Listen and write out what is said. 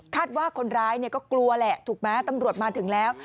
ว่าคนร้ายก็กลัวแหละถูกไหมตำรวจมาถึงแล้ว